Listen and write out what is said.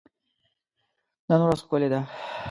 نن ورځ ښکلي ده.